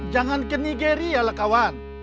jangan ke nigeria lah kawan